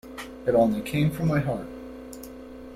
It only came from my heart.